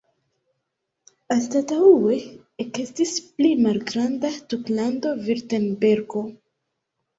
Anstataŭe ekestis pli malgranda duklando Virtembergo.